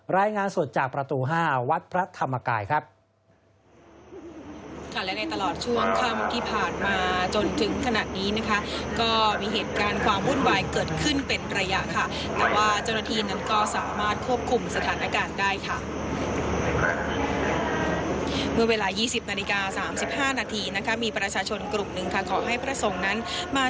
รายงานสดจากประตู๕วัดพระธรรมกายครับ